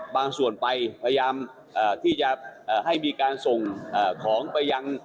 บางส่วนไปพยายามที่จะให้มีการส่งของไปยัง